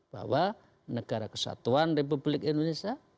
bahwa negara kesatuan republik indonesia